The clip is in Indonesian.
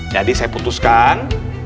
jadi saya putuskan